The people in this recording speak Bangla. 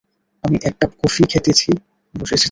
আমি এককাপ কফি খেতেছি এসেছি।